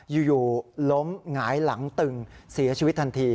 อยู่ล้มหงายหลังตึงเสียชีวิตทันที